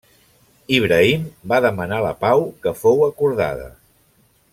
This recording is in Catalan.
Ibrahim va demanar la pau que fou acordada.